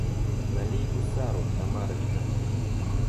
Налей гусару, Тамарочка!